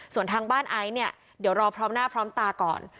ส่วนทางบ้านไอซ์เนี่ยเดี๋ยวรอพร้อมหน้าพร้อมตาก่อน